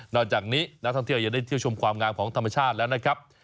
จากนี้นักท่องเที่ยวยังได้เที่ยวชมความงามของธรรมชาติแล้วนะครับ